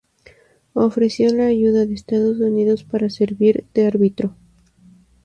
Ofreció la ayuda de Estados Unidos para servir de árbitro.